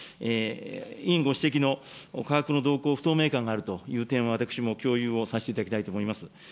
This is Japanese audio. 委員ご指摘の、価格の動向の不透明感があると、私も共有をさせていただきたいと思います。